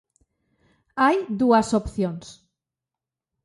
Hai dúas opcións.